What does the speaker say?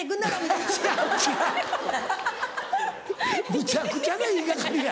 むちゃくちゃな言い掛かりや。